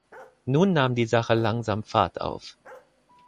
Nun nahm die Sache langsam Fahrt auf.